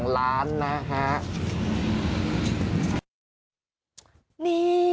๑๒ล้านนะครับ